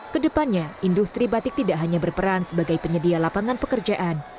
kedepannya industri batik tidak hanya berperan sebagai penyedia lapangan pekerjaan